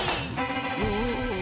『おお』。